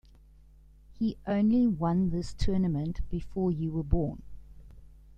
He only won this tournament before you were born.